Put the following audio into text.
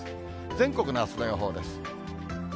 全国のあすの予報です。